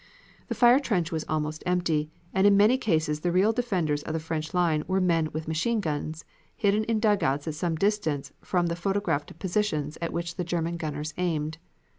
The fire trench was almost empty, and in many cases the real defenders of the French line were men with machine guns, hidden in dug outs at some distance from the photographed positions at which the German gunners aimed.